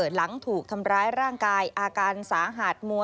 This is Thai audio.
หลังถูกทำร้ายร่างกายอาการสาหัสมัว